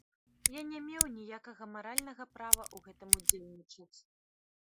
Я не меў ніякага маральнага права ў гэтым удзельнічаць.